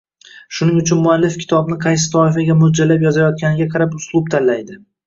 Shuning uchun muallif kitobni qaysi toifaga mo‘ljallab yozayotganiga qarab uslub tanlaydi.